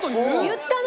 言ったの！